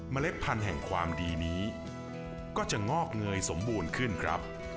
เล็ดพันธุ์แห่งความดีนี้ก็จะงอกเงยสมบูรณ์ขึ้นครับ